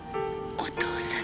お父さん！